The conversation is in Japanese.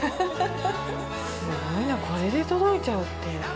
すごいな、これで届いちゃうって。